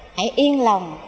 hãy yên lòng